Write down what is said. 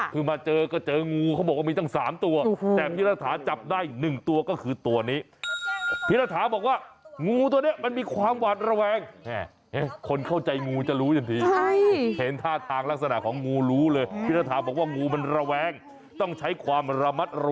เขอทำราจำนวัตรกิจไหม